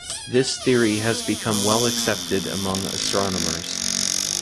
This theory has become well-accepted among astronomers.